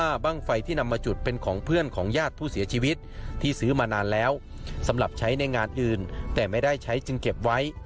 บ้างไฟที่นำมาจุดเป็นของเพื่อนของญาติผู้เสียชีวิตที่ซื้อมานานแล้วสำหรับใช้ในงานอื่นแต่ไม่ได้ใช้จึงเก็บไว้